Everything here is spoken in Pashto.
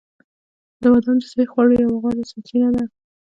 بادام د صحي خوړو یوه غوره سرچینه ده.